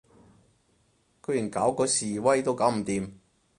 居然搞嗰示威都搞唔掂